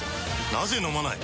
なぜ飲まない？